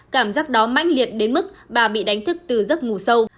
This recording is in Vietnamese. cảm giác đó mãnh liệt đến mức bà bị đánh thức từ giấc ngủ sâu